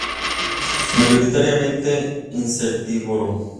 Mayoritariamente insectívoro.